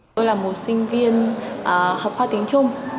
tôi là một sinh viên học khoa tiếng trung